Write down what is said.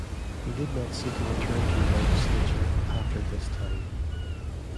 He did not seek a return to the legislature after this time.